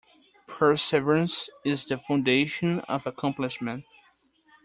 Perseverance is the foundation of accomplishment.